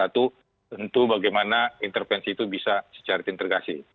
tentu bagaimana intervensi itu bisa secara integrasi